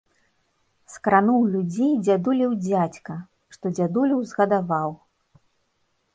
Скрануў людзей дзядулеў дзядзька, што дзядулю ўзгадаваў.